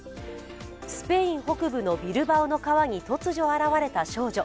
スペイン北部のビルバオの川に突如現れた少女。